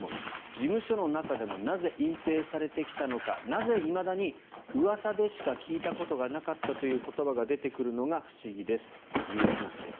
事務所の中でもなぜ隠蔽されてきたのかなぜ今だにうわさでしか聞いたことがなかったという言葉が出てくるのが不思議ですという話です。